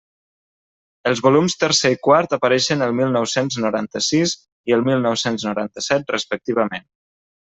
Els volums tercer i quart apareixen el mil nou-cents noranta-sis i el mil nou-cents noranta-set, respectivament.